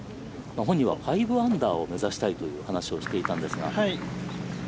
本人は５アンダーを目指したいという話をしていたのですが。